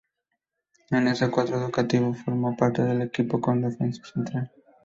En ese centro educativo formó parte del equipo como defensa central.